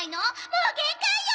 もう限界よ！